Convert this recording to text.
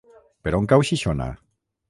Per on cau Xixona?